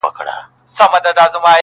یوه بل ته یې ویله چي بیلیږو-